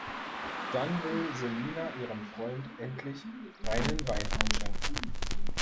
Dann will Selina ihrem Freund endlich reinen Wein einschenken.